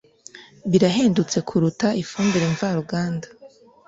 Birahendutse kuruta ifumbire mvaruganda.